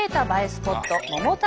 スポット